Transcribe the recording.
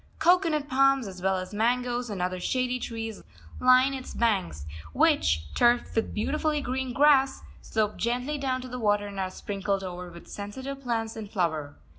Cocoanut palms as well as mangoes and other shady trees line its banks, which, turfed with beautifully green grass, slope gently down to the water, and are sprinkled over with sensitive plants in flower.